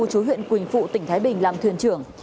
chú huyện quỳnh phụ tỉnh thái bình làm thuyền trưởng